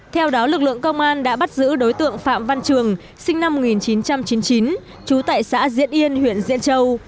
theo đó lực lượng công an đã bắt giữ đối tượng phạm văn trường sinh năm một nghìn chín trăm chín mươi chín trú tại xã diễn yên huyện diễn châu